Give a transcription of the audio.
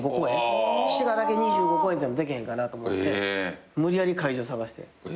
滋賀だけ２５公演ってできへんかなと思って無理やり会場探して。